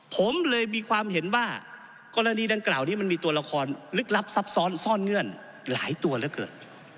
ผมเลยมีความเห็นว่ากรณีดังกล่าวนี้มันมีตัวละครลึกลับซับซ้อนซ่อนเงื่อนหลายตัวเหลือเกิน